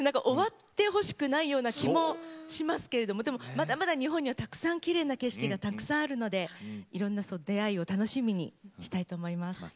終わってほしくないような気もしますけれどまだまだ日本にはきれいな景色がたくさんあるのでいろいろな出会いを楽しみにしたいと思います。